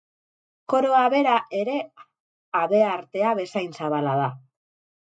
Koroa bera ere habeartea bezain zabala da.